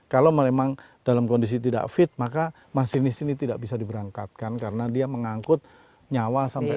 kalau memang dalam kondisi tidak fit maka masinis ini tidak bisa diberangkatkan karena dia mengangkut nyawa sampai